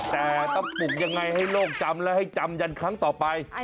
แต่ต้องปลุกยังไงให้โลกจำและให้จำยันครั้งต่อไป